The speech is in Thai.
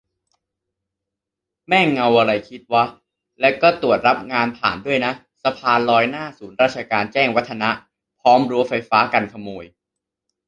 แม่งเอาไรคิดวะ แล้วก็ตรวจรับงานผ่านด้วยนะ สะพานลอยหน้าศูนย์ราชการ แจ้งวัฒนะ พร้อมรั้วไฟฟ้ากันขโมย